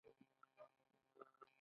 چې داسې هیواد یې جوړ کړی.